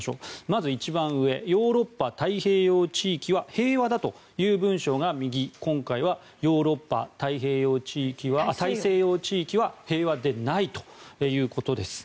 まず、一番上ヨーロッパ・大西洋地域は平和だという文章が右、今回はヨーロッパ・大西洋地域は平和でないということです。